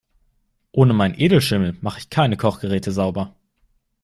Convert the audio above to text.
Ohne meinen Edelschimmel mach ich keine Kochgeräte sauber.